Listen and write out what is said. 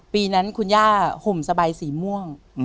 ปีนั้นคุณย่าห่มสบายสีม่วง